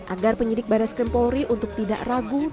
agar penyidik baris krim polri untuk tidak ragu